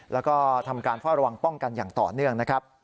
แล้วก็ทำการเฝ้าระวังป้องกันอย่างต่อเนื่องนะครับ